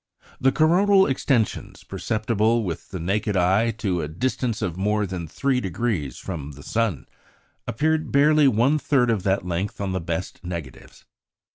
The coronal extensions, perceptible with the naked eye to a distance of more than 3° from the sun, appeared barely one third of that length on the best negatives.